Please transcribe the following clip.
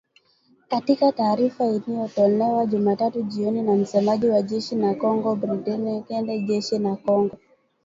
Katika taarifa iliyotolewa Jumatatu jioni na msemaji wa jeshi la kongo Brigedia Ekenge, jeshi la kongo